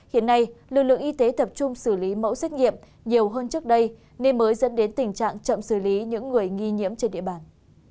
hiện nay lực lượng y tế tập trung xử lý mẫu xét nghiệm nhiều hơn trước đây nên mới dẫn đến tình trạng chậm xử lý những người nghi nhiễm trên địa bàn